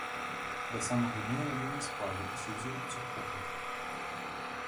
Да самага дня яны не спалі і сядзелі ціхом.